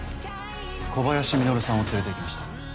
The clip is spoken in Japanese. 小林実さんを連れていきました。